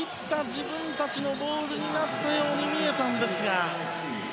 自分たちのボールになったように見えたんですが。